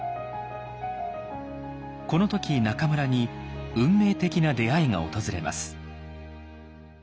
この時中村に運命的な出会いが訪れます。